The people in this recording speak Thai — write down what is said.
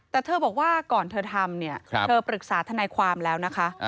แต่เธอบอกว่าก่อนเธอทำเนี่ยเธอปรึกษาทนายความแล้วนะคะ